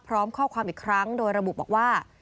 พร้อมข้อความอีกครั้งโดยระบุบอกว่า